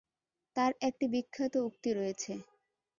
তার একটি বিখ্যাত উক্তি রয়েছেঃ